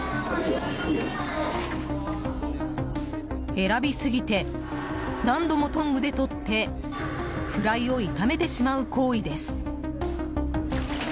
選びすぎて何度もトングで取ってフライを傷めてしまう行為です。